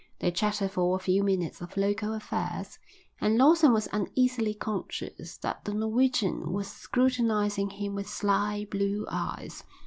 They chatted for a few minutes of local affairs, and Lawson was uneasily conscious that the Norwegian was scrutinising him with sly blue eyes.